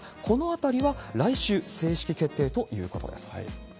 このあたりは来週、正式決定ということです。